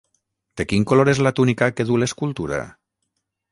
De quin color és la túnica que du l'escultura?